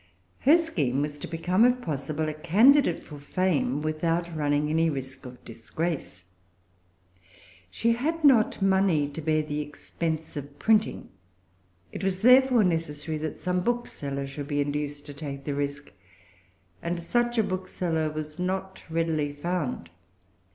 Her scheme was to become, if possible, a candidate for fame without running any risk of disgrace. She had not money to bear the expense of printing. It was therefore necessary that some bookseller should be induced to take the risk; and such a bookseller was not readily found.